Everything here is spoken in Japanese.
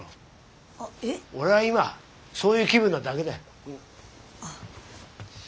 俺は今そういう気分なだけだ。